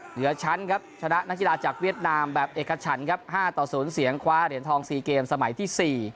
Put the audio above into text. เหลือชั้นครับชนะนักกีฬาจากเวียดนามแบบเอกฉันครับ๕ต่อ๐เสียงคว้าเหรียญทอง๔เกมสมัยที่๔